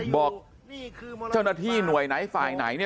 บอกเจ้าหน้าที่หน่วยไหนฝ่ายไหนเนี่ย